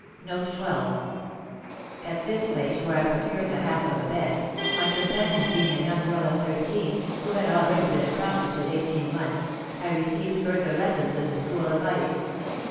"At this place, where I procured the half of a bed, my companion being a young girl of thirteen, who had already been a prostitute eighteen months, I received further lessons in the school of vice.